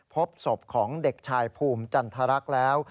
พบศพของเด็กชายภูมิจันทรรักษ์แล้ว